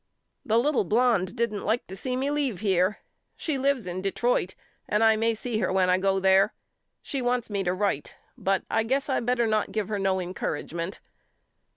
The little blonde don't like to see me leave here. She lives in Detroit and I may see her when I go there. She wants me to write but I guess I better not give her no encouragement.